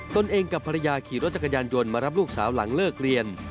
ตนเองกับภรรยาขี่รถจักรยานยนต์มารับลูกสาวหลังเลิกเรียน